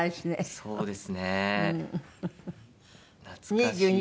そうです。